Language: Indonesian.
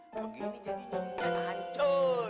begini jadinya dia hancur